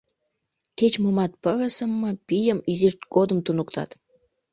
Кеч-момат, пырысым ма, пийым, изишт годым туныктат.